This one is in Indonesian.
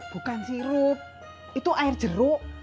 bukan sirup itu air jeruk